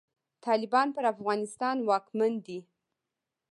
طالبان پر افغانستان واکمن دی.